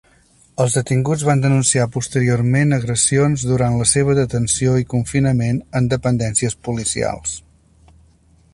Els detinguts van denunciar posteriorment agressions durant la seva detenció i confinament en dependències policials.